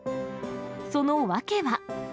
その訳は。